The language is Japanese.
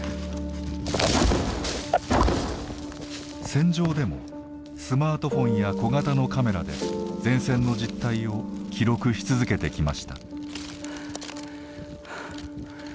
戦場でもスマートフォンや小型のカメラで前線の実態を記録し続けてきました。